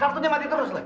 kartunya mati terus leh